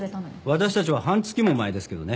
私たちは半月も前ですけどね。